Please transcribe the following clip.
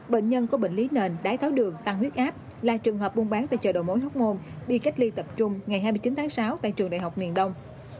bệnh nhân có bệnh lý nền đái tháo đường tăng huyết áp là trường hợp buôn bán tại chợ đầu mối hóc môn đi cách ly tập trung ngày hai mươi chín tháng sáu tại trường đại học miền đông